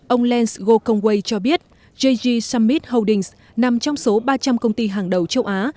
ông lance gokongwei cho biết jg summit holdings nằm trong số ba trăm linh công ty hàng đầu châu á